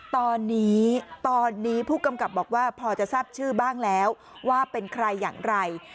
ตอนนี้ตอนนี้ผู้กำกับบอกว่าพอจะทราบชื่อบ้างแล้วว่าเป็นใครอย่างไร